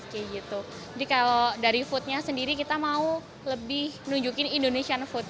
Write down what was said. jadi kalau dari foodnya sendiri kita mau lebih nunjukin indonesian food